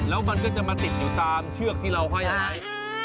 แล้วมันก็จะมาติดอยู่ตามเชือกที่เราห้อยไว้